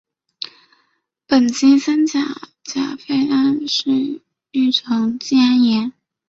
苯基三甲基氟化铵是一种季铵盐。